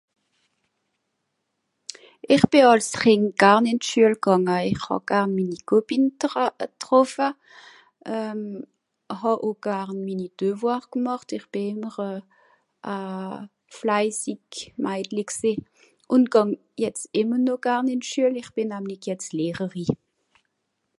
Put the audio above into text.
Ìch bì àls Chìnd garn ìn d'Schüel gànga, ìch hàà garn minni Copines dert getroffa. Euh... hàà oo garn minni Devoirs gemàcht, ìch bì Ìmmer euh... a fleisig Maidli gsìì. Ùn gàng jetz ìmmer noh garn ìn d'Schüel ìch bì namlig jetz Lehreri.